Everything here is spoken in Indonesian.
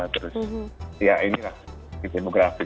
terus ya ini lah di demografi